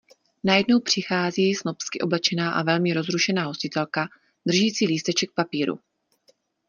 Najedou přichází snobsky oblečená a velmi rozrušená hostitelka, držící lísteček papíru